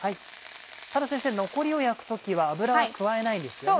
ただ先生残りを焼く時は油を加えないんですよね。